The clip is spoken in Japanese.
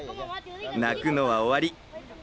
泣くのは終わり。